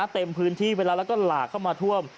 เต็มพื้นที่ไปแล้วแล้วก็หลากเข้ามาท่วม